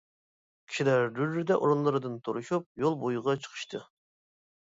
كىشىلەر دۈررىدە ئورۇنلىرىدىن تۇرۇشۇپ، يول بويىغا چىقىشتى.